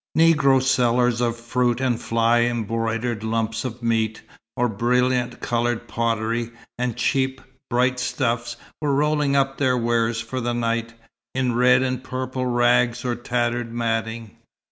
Negro sellers of fruit and fly embroidered lumps of meat, or brilliant coloured pottery, and cheap, bright stuffs, were rolling up their wares for the night, in red and purple rags or tattered matting.